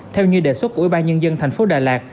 theo như đề xuất của ủy ban nhân dân tp đà lạt